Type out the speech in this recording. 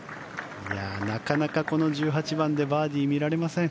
なかなか、この１８番でバーディー見られません。